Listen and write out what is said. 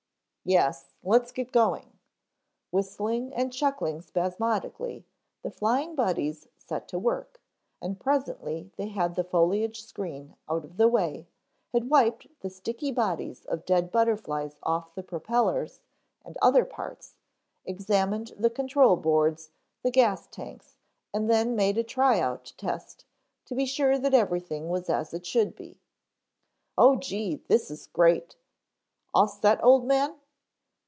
"Yes. Let's get going." Whistling and chuckling spasmodically the Flying Buddies set to work and presently they had the foliage screen out of the way, had wiped the sticky bodies of dead butterflies off the propellers and other parts, examined the control boards, the gas tanks, and then made a tryout test to be sure that everything was as it should be. "Oh, gee, this is great. All set, Old Man?"